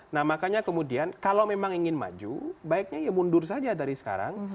nah makanya kemudian kalau memang ingin maju baiknya ya mundur saja dari sekarang